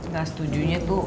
gak setujunya tuh